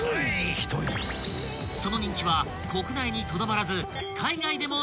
［その人気は国内にとどまらず］